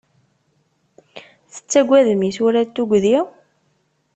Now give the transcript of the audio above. Tettagadem isura n tugdi?